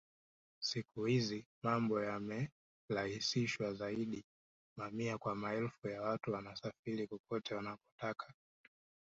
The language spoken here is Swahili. Siku hizi mambo yamerahisishwa zaidi mamia kwa maelfu ya watu wanasafiri kokote wanakotaka